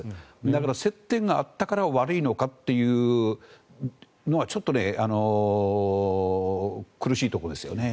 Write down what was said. だから接点があったから悪いのかというのはちょっと苦しいところですよね。